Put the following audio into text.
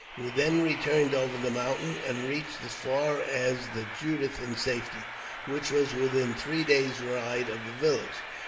We then returned over the mountain, and reached as far as the Judith in safety, which was within three days' ride of the village.